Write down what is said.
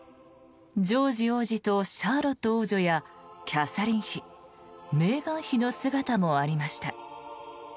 ジョージ王子とシャーロット王女やキャサリン妃メーガン妃の姿もありました。